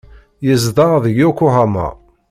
Yezdeɣ deg Yokohama.